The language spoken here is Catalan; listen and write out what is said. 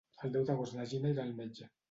El deu d'agost na Gina irà al metge.